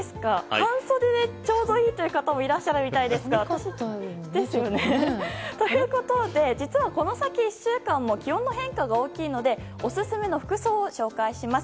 半袖でちょうどいいという方もいらっしゃるみたいですが。ということで、実はこの先１週間も気温の変化が大きいのでオススメの服装を紹介します。